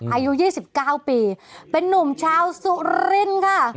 อายุ๒๙ปีเป็นนุ่มชาวสุรินค่ะ